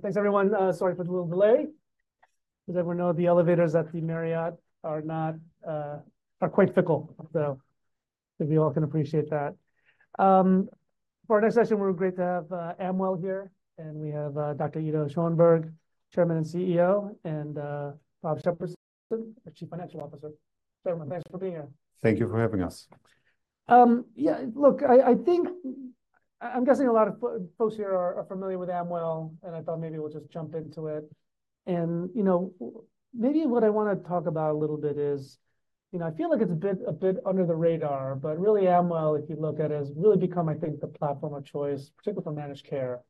Thanks, everyone. Sorry for the little delay. As everyone knows, the elevators at the Marriott are quite fickle, so... maybe you all can appreciate that. For our next session, we're great to have Amwell here. And we have Dr. Ido Schoenberg, Chairman and CEO, and Bob Shepardson, our Chief Financial Officer. Gentlemen, thanks for being here. Thank you for having us. Yeah, look, I... I think... I'm guessing a lot of folks here are familiar with Amwell, and I thought maybe we'll just jump into it. And, you know, maybe what I want to talk about a little bit is, you know, I feel like it's a bit... a bit under the radar, but really Amwell, if you look at it, has really become, I think, the platform of choice, particularly for managed care,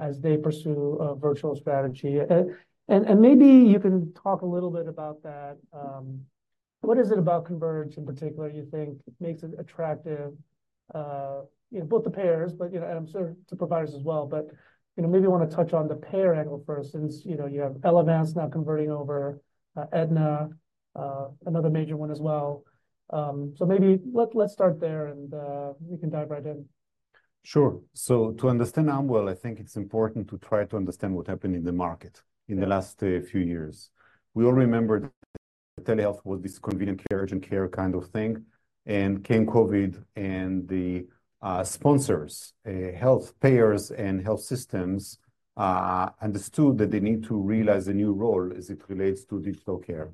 as they pursue a virtual strategy. And... and maybe you can talk a little bit about that. What is it about Converge, in particular, you think makes it attractive? You know, both the payers, but, you know... and I'm sure to providers as well. But, you know, maybe you want to touch on the payer angle first, since, you know, you have Elevance now converting over, Aetna, another major one as well. So maybe let's... Let's start there, and we can dive right in. Sure. So, to understand Amwell, I think it's important to try to understand what happened in the market in the last few years. We all remember that telehealth was this convenient care, urgent care kind of thing. And came COVID, and the sponsors, health payers and health systems, understood that they need to realize a new role as it relates to digital care.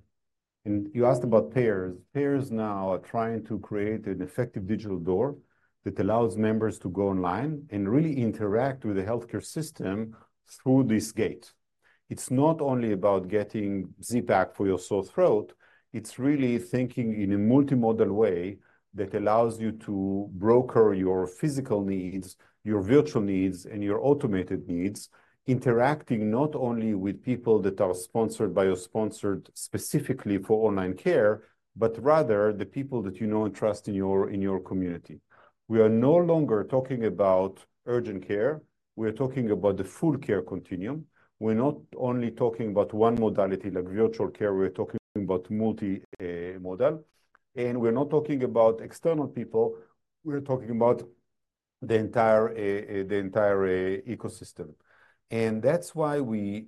You asked about payers. Payers now are trying to create an effective digital door that allows members to go online and really interact with the healthcare system through this gate. It's not only about getting Z-Pak for your sore throat. It's really thinking in a multimodal way that allows you to broker your physical needs, your virtual needs, and your automated needs, interacting not only with people that are sponsored by or sponsored specifically for online care, but rather the people that you know and trust in your... in your community. We are no longer talking about urgent care. We are talking about the full care continuum. We're not only talking about one modality like virtual care. We're talking about multimodal. And we're not talking about external people. We're talking about the entire... the entire ecosystem. And that's why we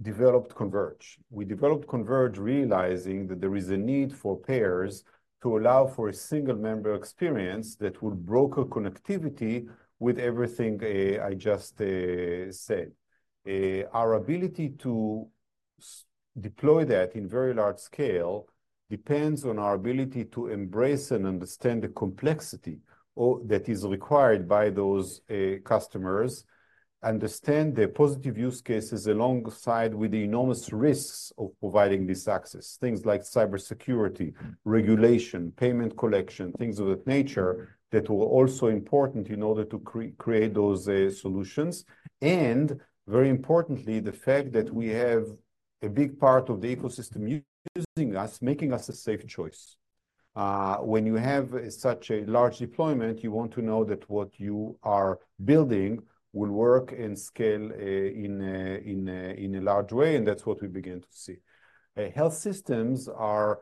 developed Converge. We developed Converge realizing that there is a need for payers to allow for a single member experience that will broker connectivity with everything I just said. Our ability to deploy that in very large scale depends on our ability to embrace and understand the complexity that is required by those customers, understand the positive use cases alongside with the enormous risks of providing this access, things like cybersecurity, regulation, payment collection, things of that nature that were also important in order to create those solutions. And very importantly, the fact that we have a big part of the ecosystem using us, making us a safe choice. When you have such a large deployment, you want to know that what you are building will work and scale in a large way. And that's what we began to see. Health systems are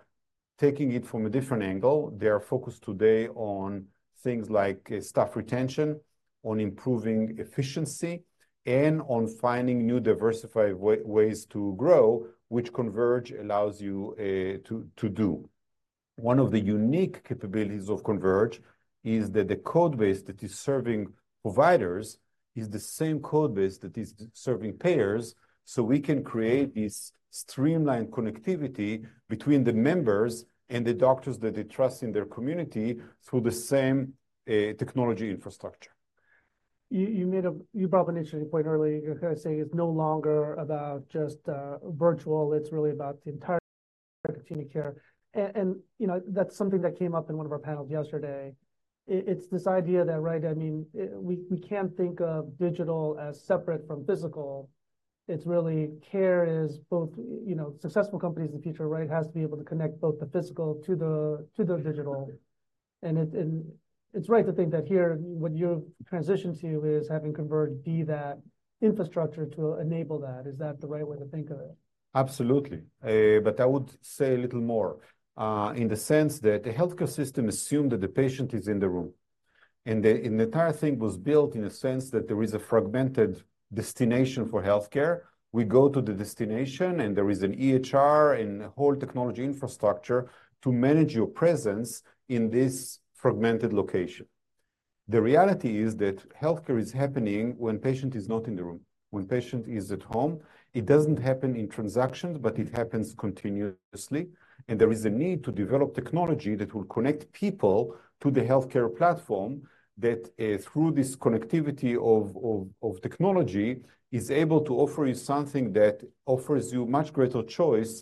taking it from a different angle. They are focused today on things like staff retention, on improving efficiency, and on finding new diversified ways to grow, which Converge allows you to do. One of the unique capabilities of Converge is that the codebase that is serving providers is the same codebase that is serving payers, so we can create this streamlined connectivity between the members and the doctors that they trust in their community through the same technology infrastructure. You, Bob, initiated a point earlier saying it's no longer about just virtual. It's really about the entire continuum of care. And, you know, that's something that came up in one of our panels yesterday. It's this idea that, right? I mean, we can't think of digital as separate from physical. It's really care is both, you know, successful companies in the future, right, has to be able to connect both the physical to the digital. And it's right to think that here what you've transitioned to is having Converge be that infrastructure to enable that. Is that the right way to think of it? Absolutely. But I would say a little more, in the sense that the healthcare system assumed that the patient is in the room. And the entire thing was built in a sense that there is a fragmented destination for healthcare. We go to the destination, and there is an EHR and a whole technology infrastructure to manage your presence in this fragmented location. The reality is that healthcare is happening when the patient is not in the room, when the patient is at home. It doesn't happen in transactions, but it happens continuously. And there is a need to develop technology that will connect people to the healthcare platform that, through this connectivity of... of... Of technology is able to offer you something that offers you much greater choice,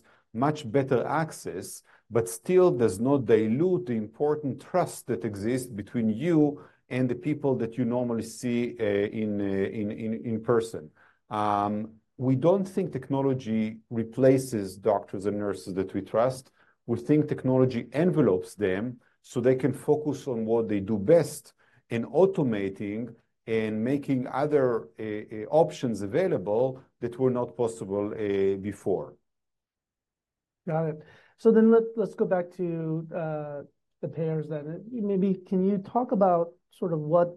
much better access, but still does not dilute the important trust that exists between you and the people that you normally see in person. We don't think technology replaces doctors and nurses that we trust. We think technology envelops them so they can focus on what they do best in automating and making other options available that were not possible before. Got it. So then let's go back to the payers then. Maybe can you talk about sort of what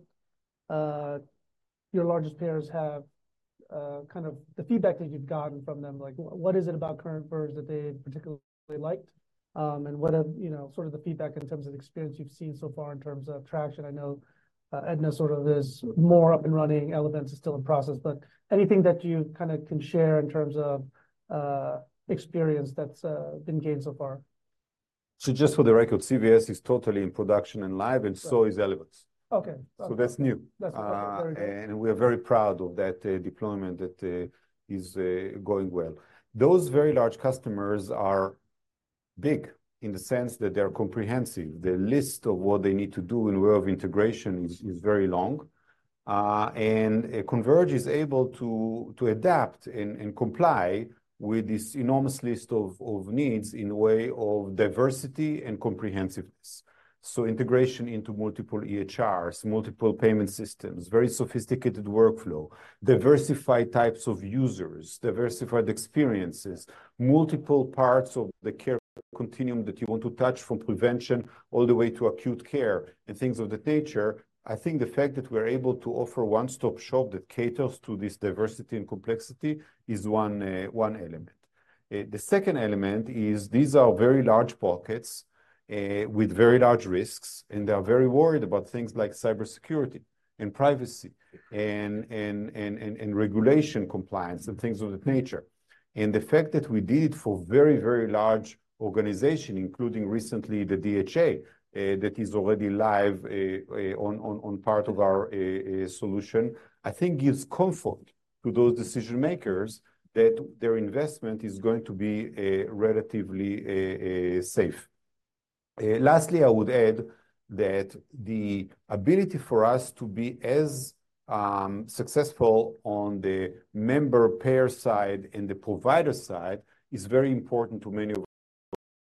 your largest payers have kind of the feedback that you've gotten from them? Like, what is it about Converge that they particularly liked? And what have you know, sort of the feedback in terms of the experience you've seen so far in terms of traction? I know Aetna sort of is more up and running. Elevance is still in process. But anything that you kind of can share in terms of experience that's been gained so far? So, just for the record, CVS is totally in production and live, and so is Elevance. Okay. That's new. That's okay. Very good. And we are very proud of that deployment that is going well. Those very large customers are big in the sense that they are comprehensive. The list of what they need to do in the way of integration is very long. And Converge is able to adapt and comply with this enormous list of needs in a way of diversity and comprehensiveness. So, integration into multiple EHRs, multiple payment systems, very sophisticated workflow, diversified types of users, diversified experiences, multiple parts of the care continuum that you want to touch from prevention all the way to acute care and things of that nature. I think the fact that we are able to offer one-stop shop that caters to this diversity and complexity is one element. The second element is these are very large pockets with very large risks, and they are very worried about things like cybersecurity and privacy and regulatory compliance and things of that nature. The fact that we did it for very, very large organizations, including recently the DHA that is already live on part of our solution, I think gives comfort to those decision-makers that their investment is going to be relatively safe. Lastly, I would add that the ability for us to be as successful on the member/payer side and the provider side is very important to many of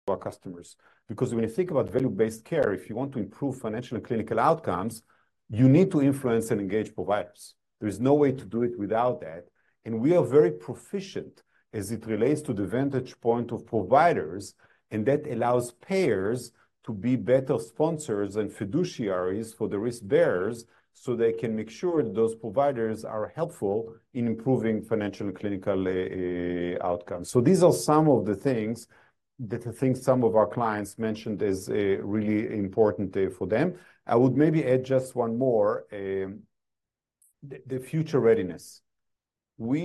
our customers. Because when you think about value-based care, if you want to improve financial and clinical outcomes, you need to influence and engage providers. There is no way to do it without that. And we are very proficient as it relates to the vantage point of providers, and that allows payers to be better sponsors and fiduciaries for the risk bearers so they can make sure that those providers are helpful in improving financial and clinical outcomes. So, these are some of the things that I think some of our clients mentioned as really important for them. I would maybe add just one more... the future readiness. We,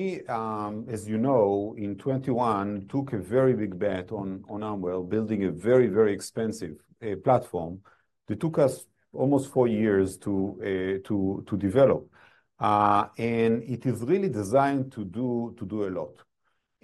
as you know, in 2021 took a very big bet on Amwell building a very, very expensive platform that took us almost four years to develop, and it is really designed to do a lot.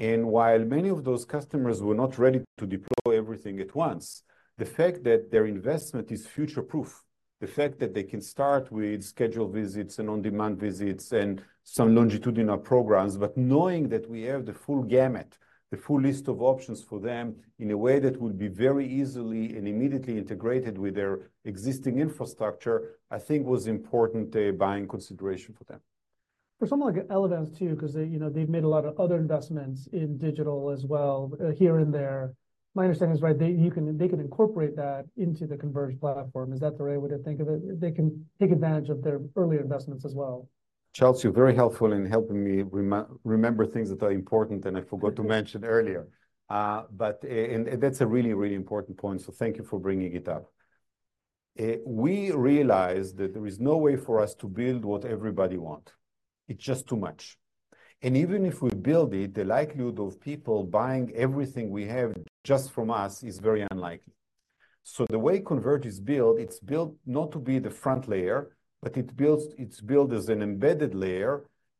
While many of those customers were not ready to deploy everything at once, the fact that their investment is future-proof, the fact that they can start with scheduled visits and on-demand visits and some longitudinal programs, but knowing that we have the full gamut, the full list of options for them in a way that will be very easily and immediately integrated with their existing infrastructure, I think was an important big consideration for them. For someone like Elevance too, because they... you know, they've made a lot of other investments in digital as well here and there. My understanding is, right, that you can... they can incorporate that into the Converge platform. Is that the right way to think of it? They can take advantage of their earlier investments as well. Charles, you're very helpful in helping me remember things that are important and I forgot to mention earlier. But... and that's a really, really important point. So, thank you for bringing it up. We realize that there is no way for us to build what everybody wants. It's just too much. And even if we build it, the likelihood of people buying everything we have just from us is very unlikely. So, the way Converge is built, it's built not to be the front layer, but it builds... it's built as an embedded layer,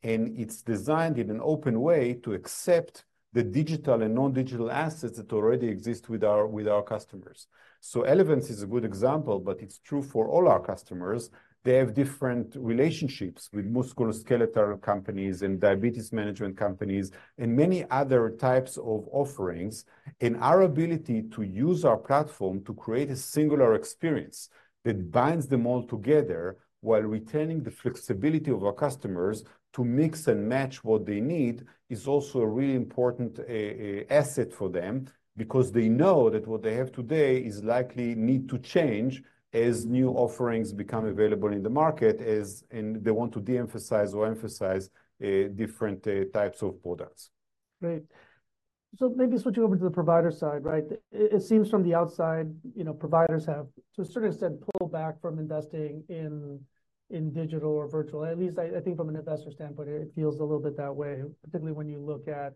and it's designed in an open way to accept the digital and non-digital assets that already exist with our... with our customers. So, Elevance is a good example, but it's true for all our customers. They have different relationships with musculoskeletal companies and diabetes management companies and many other types of offerings. Our ability to use our platform to create a singular experience that binds them all together while retaining the flexibility of our customers to mix and match what they need is also a really important asset for them because they know that what they have today is likely need to change as new offerings become available in the market as... and they want to de-emphasize or emphasize different types of products. Great. So, maybe switching over to the provider side, right? It seems from the outside, you know, providers have, to a certain extent, pulled back from investing in digital or virtual. At least I think from an investor standpoint, it feels a little bit that way, particularly when you look at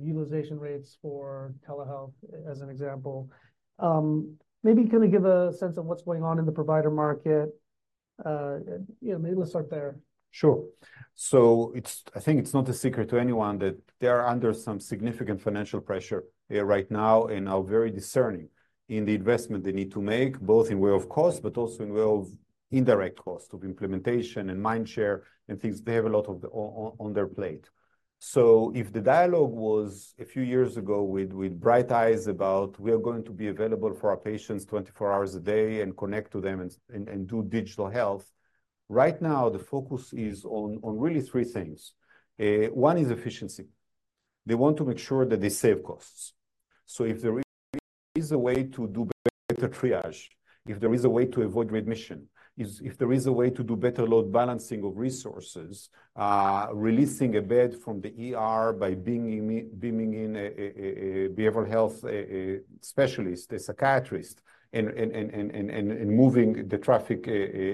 utilization rates for telehealth as an example. Maybe kind of give a sense of what's going on in the provider market. You know, maybe let's start there. Sure. So, I think it's not a secret to anyone that they are under some significant financial pressure right now and are very discerning in the investment they need to make, both in way of cost, but also in way of indirect cost of implementation and mindshare and things. They have a lot of on their plate. So, if the dialogue was a few years ago with bright eyes about, "We are going to be available for our patients 24 hours a day and connect to them and do digital health," right now the focus is on really three things. One is efficiency. They want to make sure that they save costs. So, if there is a way to do better triage, if there is a way to avoid readmission, if there is a way to do better load balancing of resources, releasing a bed by bringing in a behavioral health specialist, a psychiatrist, and moving the traffic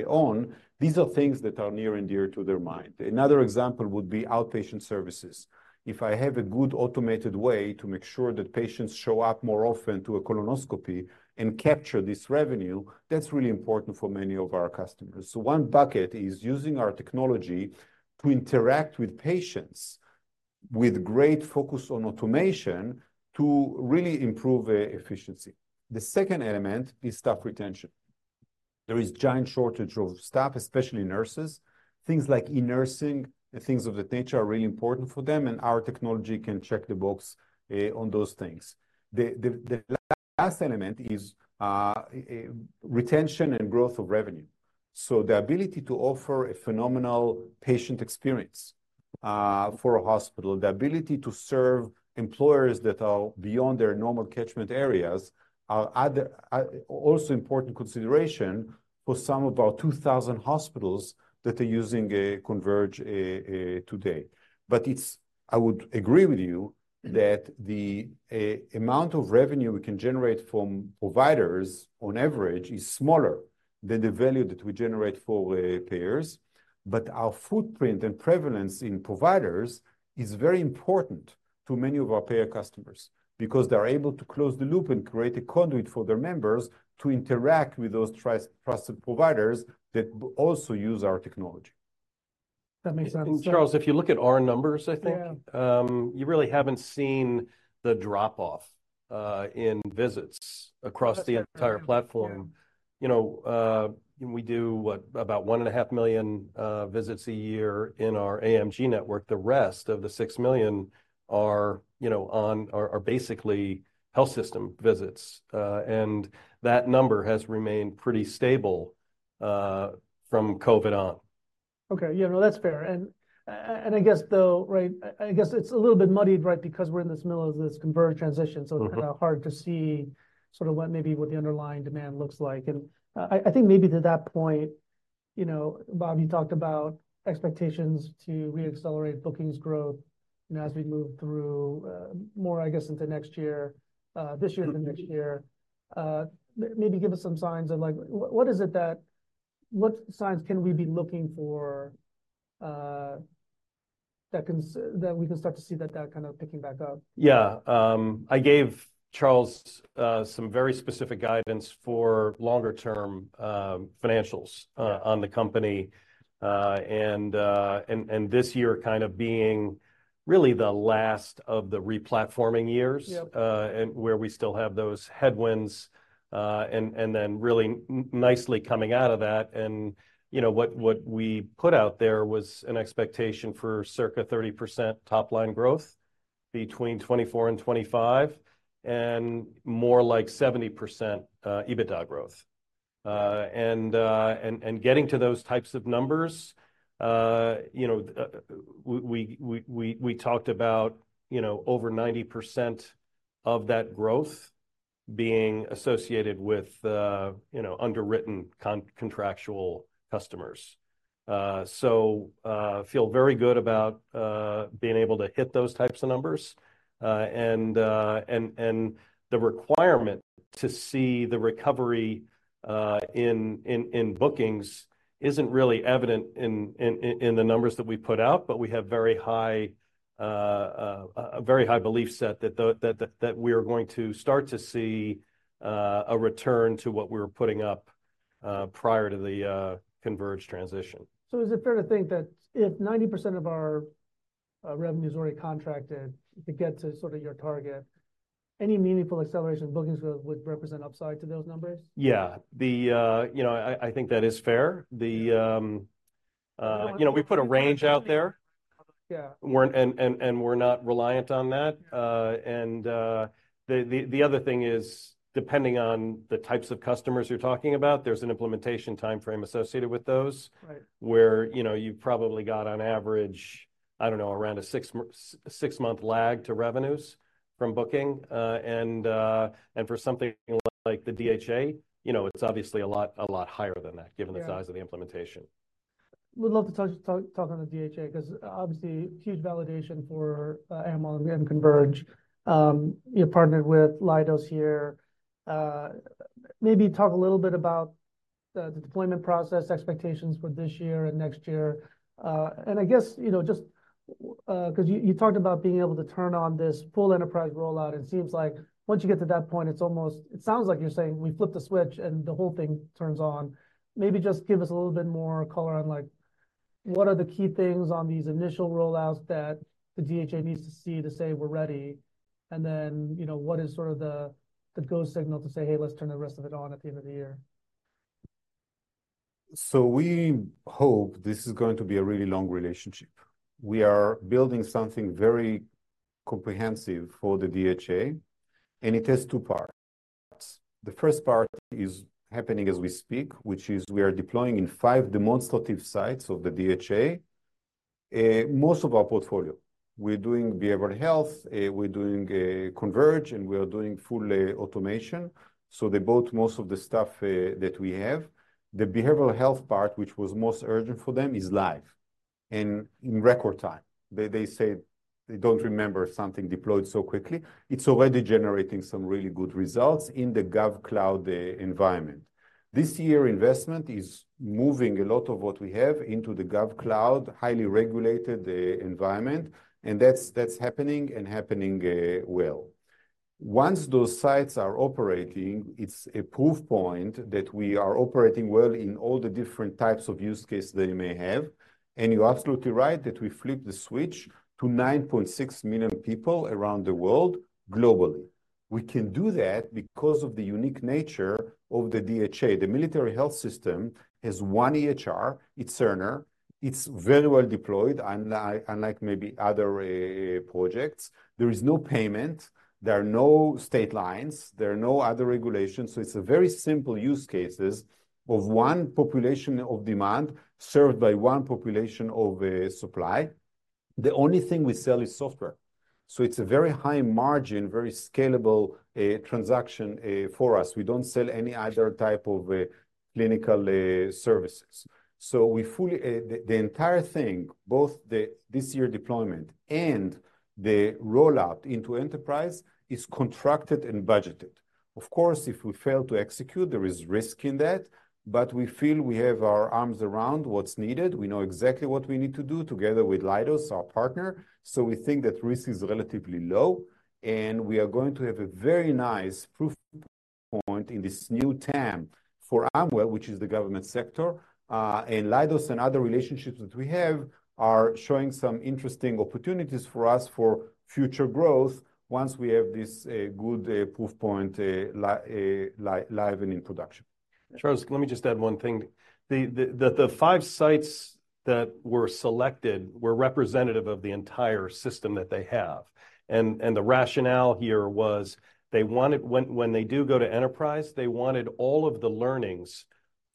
on, these are things that are near and dear to their mind. Another example would be outpatient services. If I have a good automated way to make sure that patients show up more often to a colonoscopy and capture this revenue, that's really important for many of our customers. So, one bucket is using our technology to interact with patients with great focus on automation to really improve efficiency. The second element is staff retention. There is a giant shortage of staff, especially nurses. Things like e-nursing and things of that nature are really important for them, and our technology can check the box on those things. The last element is retention and growth of revenue. So, the ability to offer a phenomenal patient experience for a hospital, the ability to serve employers that are beyond their normal catchment areas are also an important consideration for some of our 2,000 hospitals that are using Converge today. But it's, I would agree with you that the amount of revenue we can generate from providers, on average, is smaller than the value that we generate for payers. But our footprint and prevalence in providers is very important to many of our payer customers because they are able to close the loop and create a conduit for their members to interact with those trusted providers that also use our technology. That makes sense. I think, Charles, if you look at our numbers, I think you really haven't seen the drop-off in visits across the entire platform. You know, we do what? About 1.5 million visits a year in our AMG network. The rest of the 6 million are, you know, on... are basically health system visits. And that number has remained pretty stable from COVID on. Okay. Yeah. No, that's fair. And I guess, though, right, it's a little bit muddied, right, because we're in the middle of this Converge transition. So, it's kind of hard to see sort of what, maybe the underlying demand looks like. And I think maybe to that point, you know, Bob, you talked about expectations to re-accelerate bookings growth, you know, as we move through more, I guess, into next year, this year to next year. Maybe give us some signs of, like, what signs can we be looking for that we can start to see that kind of picking back up? Yeah. I gave Charles some very specific guidance for longer-term financials on the company. And this year kind of being really the last of the re-platforming years and where we still have those headwinds and then really nicely coming out of that. And, you know, what we put out there was an expectation for circa 30% top-line growth between 2024 and 2025 and more like 70% EBITDA growth. And getting to those types of numbers, you know, we talked about, you know, over 90% of that growth being associated with, you know, underwritten contractual customers. So, feel very good about being able to hit those types of numbers. And the requirement to see the recovery in bookings isn't really evident in the numbers that we put out, but we have very high... A very high belief set that we are going to start to see a return to what we were putting up prior to the Converge transition. Is it fair to think that if 90% of our revenue is already contracted to get to sort of your target, any meaningful acceleration in bookings growth would represent upside to those numbers? Yeah. You know, I think that is fair. You know, we put a range out there. Yeah. We're not reliant on that. The other thing is, depending on the types of customers you're talking about, there's an implementation timeframe associated with those, where, you know, you've probably got, on average, I don't know, around a six-month lag to revenues from booking. For something like the DHA, you know, it's obviously a lot higher than that, given the size of the implementation. Would love to talk on the DHA because, obviously, huge validation for Amwell and Converge. You've partnered with Leidos here. Maybe talk a little bit about the deployment process expectations for this year and next year. And I guess, you know, just because you talked about being able to turn on this full enterprise rollout, it seems like once you get to that point, it's almost... it sounds like you're saying, "We flipped the switch and the whole thing turns on." Maybe just give us a little bit more color on, like, what are the key things on these initial rollouts that the DHA needs to see to say, "We're ready?" And then, you know, what is sort of the... the go signal to say, "Hey, let's turn the rest of it on at the end of the year? So, we hope this is going to be a really long relationship. We are building something very comprehensive for the DHA, and it has two parts. The first part is happening as we speak, which is we are deploying in five demonstrative sites of the DHA, most of our portfolio. We're doing behavioral health, we're doing Converge, and we are doing full automation. So, they bought most of the stuff that we have. The behavioral health part, which was most urgent for them, is live and in record time. They say they don't remember something deployed so quickly. It's already generating some really good results in the GovCloud environment. This year, investment is moving a lot of what we have into the GovCloud, highly regulated environment, and that's happening and happening well. Once those sites are operating, it's a proof point that we are operating well in all the different types of use cases they may have. You're absolutely right that we flipped the switch to 9.6 million people around the world globally. We can do that because of the unique nature of the DHA. The Military Health System has one EHR. It's Cerner. It's very well deployed, unlike maybe other projects. There is no payment. There are no state lines. There are no other regulations. It's very simple use cases of one population of demand served by one population of supply. The only thing we sell is software. It's a very high margin, very scalable transaction for us. We don't sell any other type of clinical services. We fully... the entire thing, both the this year deployment and the rollout into enterprise, is contracted and budgeted. Of course, if we fail to execute, there is risk in that, but we feel we have our arms around what's needed. We know exactly what we need to do together with Leidos, our partner. So, we think that risk is relatively low, and we are going to have a very nice proof point in this new TAM for Amwell, which is the government sector. And Leidos and other relationships that we have are showing some interesting opportunities for us for future growth once we have this good proof point live and in production. Charles, let me just add one thing. The five sites that were selected were representative of the entire system that they have. And the rationale here was they wanted, when they do go to enterprise, they wanted all of the learnings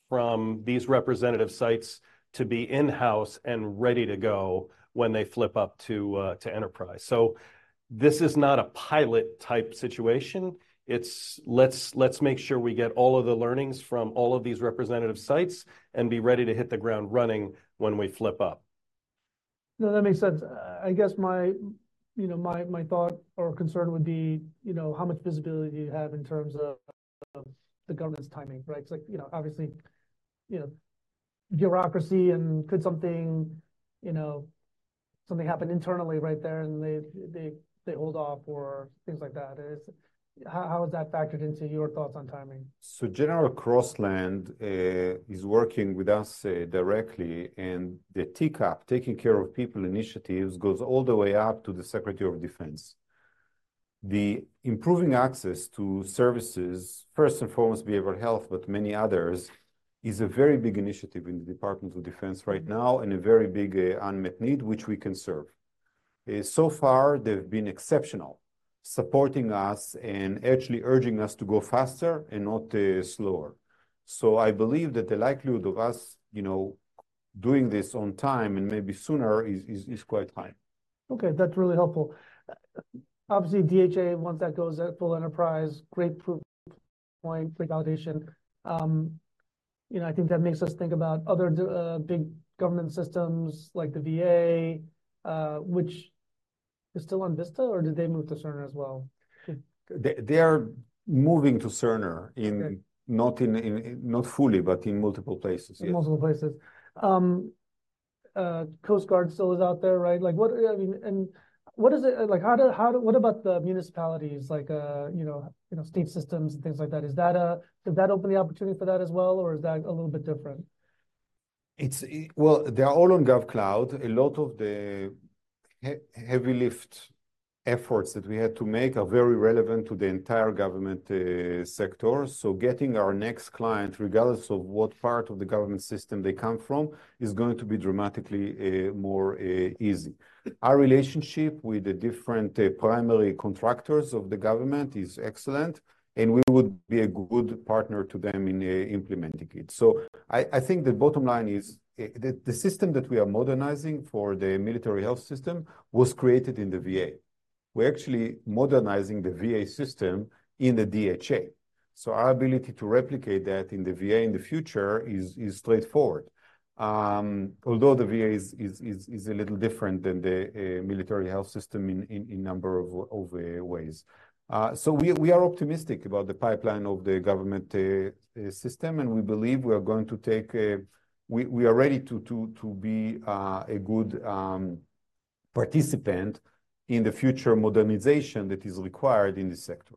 from these representative sites to be in-house and ready to go when they flip up to enterprise. So, this is not a pilot-type situation. It's, let's make sure we get all of the learnings from all of these representative sites and be ready to hit the ground running when we flip up. No, that makes sense. I guess my thought or concern would be, you know, how much visibility do you have in terms of the government's timing, right? Because, like, you know, obviously, you know, bureaucracy and could something happen internally right there and they hold off or things like that. How is that factored into your thoughts on timing? So, General Crosland is working with us directly, and the TCAP, Taking Care of People initiatives, goes all the way up to the Secretary of Defense. The improving access to services, first and foremost, behavioral health, but many others, is a very big initiative in the Department of Defense right now and a very big unmet need, which we can serve. So far, they've been exceptional, supporting us and actually urging us to go faster and not slower. So, I believe that the likelihood of us, you know, doing this on time and maybe sooner is quite high. Okay. That's really helpful. Obviously, DHA, once that goes at full enterprise, great proof point, great validation. You know, I think that makes us think about other big government systems like the VA, which is still on VistA, or did they move to Cerner as well? They are moving to Cerner, not fully, but in multiple places. In multiple places. Coast Guard still is out there, right? Like, what... I mean, and what is it... like, how do... what about the municipalities, like, you know, you know, state systems and things like that? Is that a... does that open the opportunity for that as well, or is that a little bit different? Well, they're all on GovCloud. A lot of the heavy lift efforts that we had to make are very relevant to the entire government sector. So, getting our next client, regardless of what part of the government system they come from, is going to be dramatically more easy. Our relationship with the different primary contractors of the government is excellent, and we would be a good partner to them in implementing it. So, I think the bottom line is that the system that we are modernizing for the Military Health System was created in the VA. We're actually modernizing the VA system in the DHA. So, our ability to replicate that in the VA in the future is straightforward, although the VA is a little different than the Military Health System in a number of ways. So, we... We are optimistic about the pipeline of the government system, and we believe we are going to take. We are ready to be a good participant in the future modernization that is required in this sector.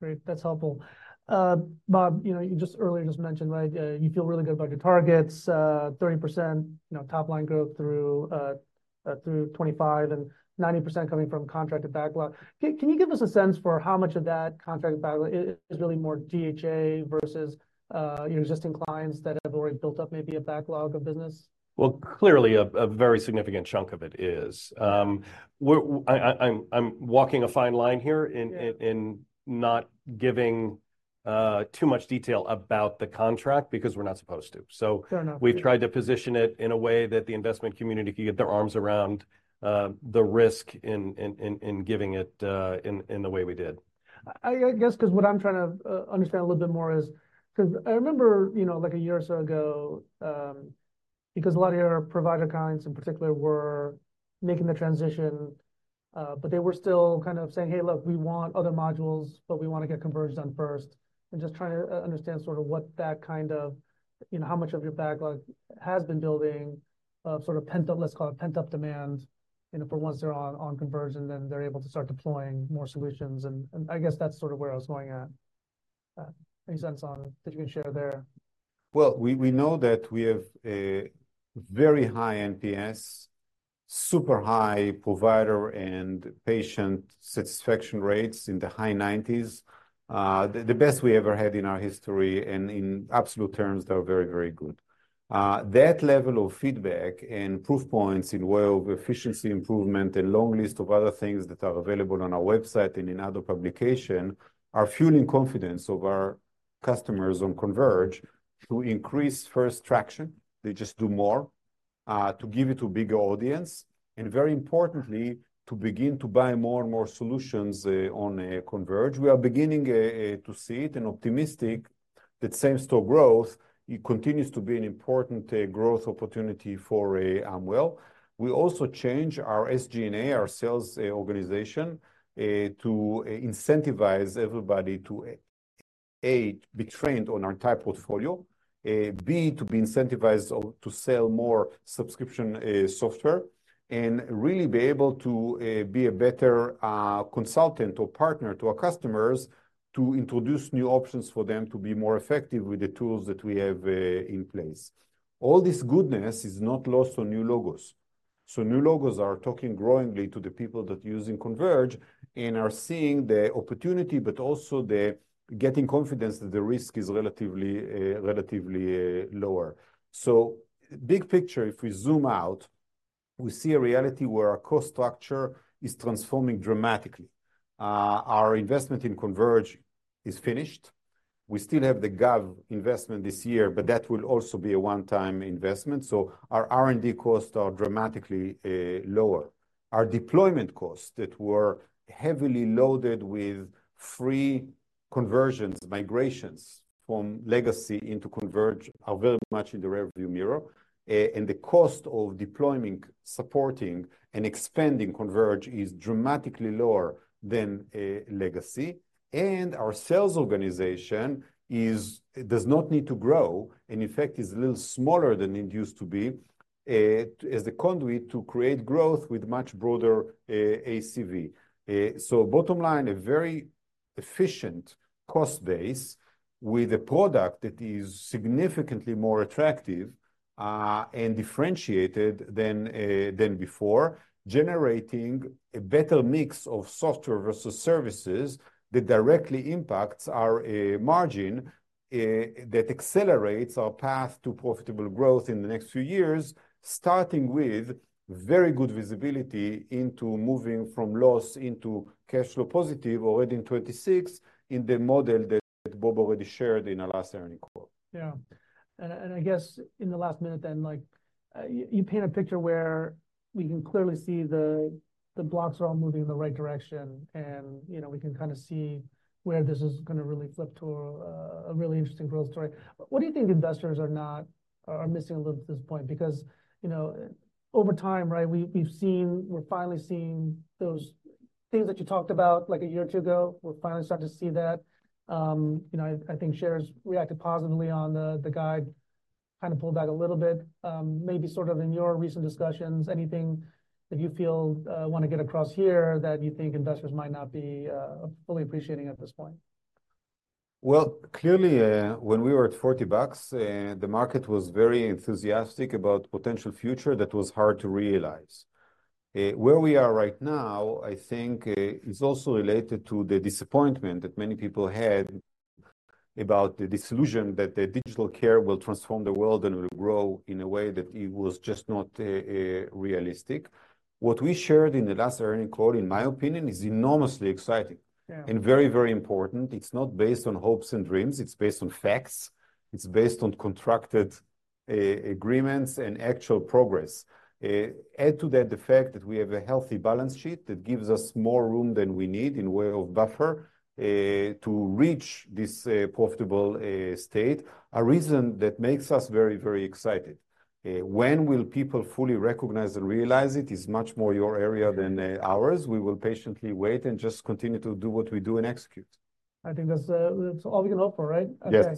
Great. That's helpful. Bob, you know, you just earlier just mentioned, right, you feel really good about your targets: 30%, you know, top-line growth through 2025, and 90% coming from contracted backlog. Can you give us a sense for how much of that contracted backlog is really more DHA versus, you know, existing clients that have already built up maybe a backlog of business? Well, clearly, a very significant chunk of it is. I'm walking a fine line here in not giving too much detail about the contract because we're not supposed to. So, we've tried to position it in a way that the investment community could get their arms around the risk in giving it in the way we did. I guess because what I'm trying to understand a little bit more is because I remember, you know, like a year or so ago, because a lot of your provider clients in particular were making the transition, but they were still kind of saying, "Hey, look, we want other modules, but we want to get Converge done first," and just trying to understand sort of what that kind of, you know, how much of your backlog has been building of sort of pent up... let's call it pent up demand, you know, for once they're on Converge, and then they're able to start deploying more solutions. And I guess that's sort of where I was going at. Any sense on that you can share there? Well, we know that we have very high NPS, super high provider and patient satisfaction rates in the high 90s, the best we ever had in our history, and in absolute terms, they're very, very good. That level of feedback and proof points in way of efficiency improvement and long list of other things that are available on our website and in other publications are fueling confidence of our customers on Converge to increase first traction. They just do more to give it to a bigger audience. And very importantly, to begin to buy more and more solutions on Converge. We are beginning to see it and optimistic that same-store growth continues to be an important growth opportunity for Amwell. We also change our SG&A, our sales organization, to incentivize everybody to... A, be trained on our entire portfolio; B, to be incentivized to sell more subscription software and really be able to be a better consultant or partner to our customers to introduce new options for them to be more effective with the tools that we have in place. All this goodness is not lost on new logos. So, new logos are talking growingly to the people that are using Converge and are seeing the opportunity, but also the getting confidence that the risk is relatively... relatively lower. So, big picture, if we zoom out, we see a reality where our cost structure is transforming dramatically. Our investment in Converge is finished. We still have the Gov investment this year, but that will also be a one-time investment. So, our R&D costs are dramatically lower. Our deployment costs that were heavily loaded with free conversions, migrations from legacy into Converge are very much in the rearview mirror. The cost of deploying, supporting, and expanding Converge is dramatically lower than legacy. Our sales organization does not need to grow and, in fact, is a little smaller than it used to be as a conduit to create growth with much broader ACV. So, bottom line, a very efficient cost base with a product that is significantly more attractive and differentiated than... than before, generating a better mix of software versus services that directly impacts our margin that accelerates our path to profitable growth in the next few years, starting with very good visibility into moving from loss into cash flow positive already in 2026 in the model that Bob already shared in our last earnings call. Yeah. And I guess in the last minute then, like, you paint a picture where we can clearly see the blocks are all moving in the right direction, and, you know, we can kind of see where this is going to really flip to a really interesting growth story. What do you think investors are missing a little bit at this point? Because, you know, over time, right, we've seen. We're finally seeing those things that you talked about like a year or two ago. We're finally starting to see that. You know, I think shares reacted positively on the guide, kind of pulled back a little bit. Maybe sort of in your recent discussions, anything that you feel want to get across here that you think investors might not be fully appreciating at this point? Well, clearly, when we were at $40, the market was very enthusiastic about potential future that was hard to realize. Where we are right now, I think, is also related to the disappointment that many people had about the disillusion that the digital care will transform the world and will grow in a way that it was just not realistic. What we shared in the last earnings call, in my opinion, is enormously exciting and very, very important. It's not based on hopes and dreams. It's based on facts. It's based on contracted agreements and actual progress. Add to that the fact that we have a healthy balance sheet that gives us more room than we need in way of buffer to reach this profitable state, a reason that makes us very, very excited. When will people fully recognize and realize it is much more your area than ours? We will patiently wait and just continue to do what we do and execute. I think that's... that's all we can hope for, right? Okay.